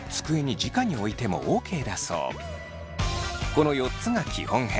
この４つが基本編。